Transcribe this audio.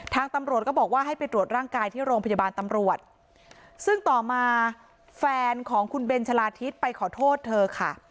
ทางตำรวจก็บอกว่าให้ไปตรวจร่างกายที่โรงพยาบาลตำรวจซึ่งต่อมาแฟนของคุณเบนชะลาทิศไปขอโทษเธอค่ะ